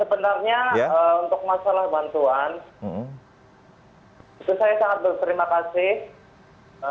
sebenarnya untuk masalah bantuan itu saya sangat berterima kasih